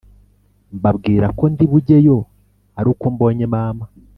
mbabwira ko ndibujyeyo aruko mbonye mama